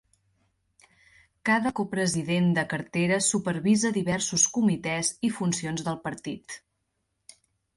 Cada copresident de cartera supervisa diversos comitès i funcions del partit.